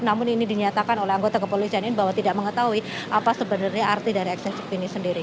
namun ini dinyatakan oleh anggota kepolisian ini bahwa tidak mengetahui apa sebenarnya arti dari eksensik ini sendiri